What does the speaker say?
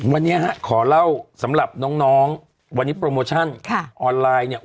วันนี้ฮะขอเล่าสำหรับน้องวันนี้โปรโมชั่นออนไลน์เนี่ย